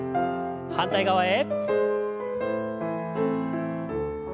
反対側へ。